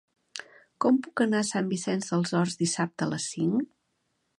Com puc anar a Sant Vicenç dels Horts dissabte a les cinc?